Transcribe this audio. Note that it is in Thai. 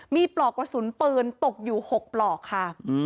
มีปลอกกระสุนปืนตกอยู่๖ปลอกค่ะ